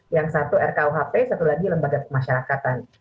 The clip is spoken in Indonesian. yang satu rkuhp satu lagi lembaga pemasyarakatan